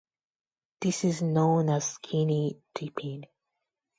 This is known as skinny dipping.